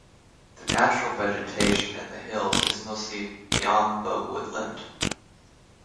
The natural vegetation in the hills is mostly miombo woodland.